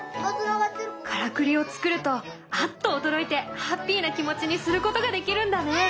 からくりを作るとアッと驚いてハッピーな気持ちにすることができるんだね！